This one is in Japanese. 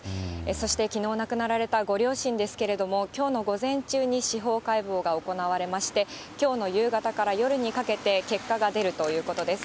そしてきのう亡くなられたご両親ですけれども、きょうの午前中に司法解剖が行われまして、きょうの夕方から夜にかけて結果が出るということです。